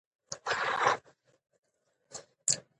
ملالۍ د خپلو خلکو غیرت راویښ کړ.